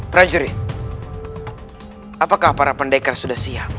prajurit apakah para pendekar sudah siap